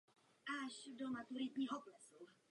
Stabilizujeme, konsolidujeme a modernizujeme.